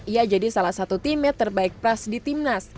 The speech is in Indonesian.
ia jadi salah satu timet terbaik pras di timnas